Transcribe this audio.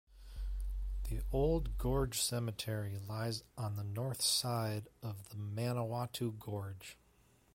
The Old Gorge Cemetery lies on the north side of the Manawatu Gorge.